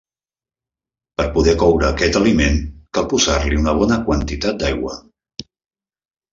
Per poder coure aquest aliment cal posar-li una bona quantitat d'aigua.